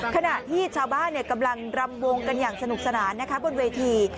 ขณะที่ชาวบ้านกำลังรำวงกันอย่างสนุกสนานนะคะบนเวที